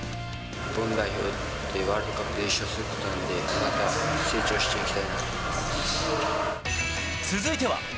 日本代表になり、ワールドカップで優勝することなので、また成長していきたいなと思いま続いては。